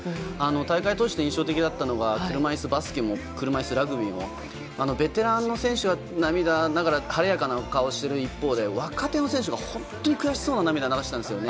大会を通して印象的だったのが車いすバスケも車いすラグビーもベテランの選手は晴れやかな顔をしていた一方で若手の選手が本当に悔しそうな涙を流していたんですね。